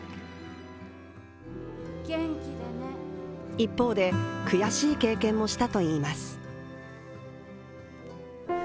一方で、悔しい経験もしたといいます。